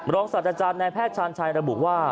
รองศาสตราจารย์ในแพทย์ชาญชายระบุว่า